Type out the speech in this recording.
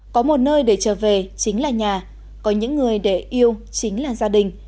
có một nơi để trở về chính là nhà có những người để yêu chính là gia đình